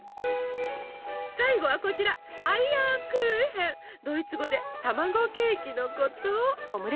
最後はこちらドイツ語で「卵ケーキ」のこと。